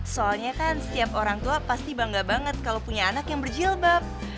soalnya kan setiap orang tua pasti bangga banget kalau punya anak yang berjilbab